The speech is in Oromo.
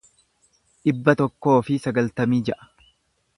dhibba tokkoo fi sagaltamii ja'a